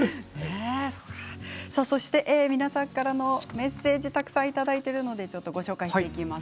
皆さんからのメッセージたくさんいただいているのでご紹介していきます。